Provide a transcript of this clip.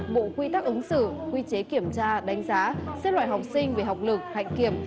bộ quy tắc ứng xử quy chế kiểm tra đánh giá xếp loại học sinh về học lực hạnh kiểm